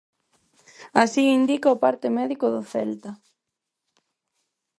Así o indica o parte médico do Celta.